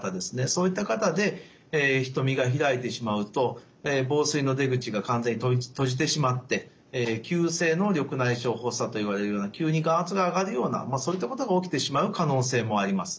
そういった方で瞳がひらいてしまうと房水の出口が完全に閉じてしまって急性の緑内障発作といわれるような急に眼圧が上がるようなそういったことが起きてしまう可能性もあります。